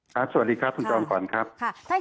ค่ะสวัสดีครับคุณพี่ต่องกวนครับค่ะโน้ค่ะ